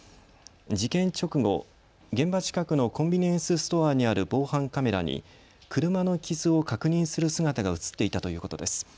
事件直後、現場近くのコンビニエンスストアにある防犯カメラに車の傷を確認する姿がうつっていたということです。